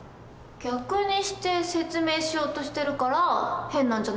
逆にして説明しようとしてるから変なんじゃないの？